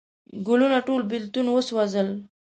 ګلونه ټول بیلتون وسوزل